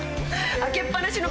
開けっ放しの